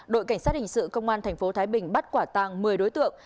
đội cảnh sát hình sự công an tp thái bình bắt quả tàng một mươi đối tượng